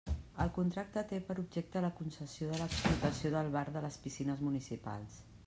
El contracte té per objecte la concessió de l'explotació del bar de les piscines municipals.